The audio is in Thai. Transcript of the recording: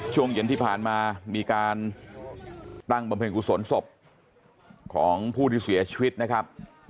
ช่วงเย็นที่ผ่านมามีการตั้งบำเพ็ญกุศลศพของผู้ที่เสียชีวิตนะครับ